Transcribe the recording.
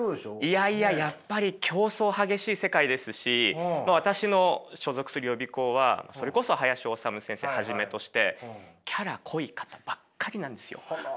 いやいややっぱり競争激しい世界ですし私の所属する予備校はそれこそ林修先生をはじめとしてキャラ濃い方ばっかりなんですよ。